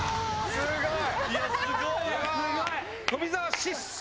・・すごい！